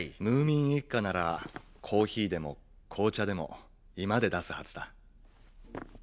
ムーミン一家ならコーヒーでも紅茶でも居間で出すはずだ。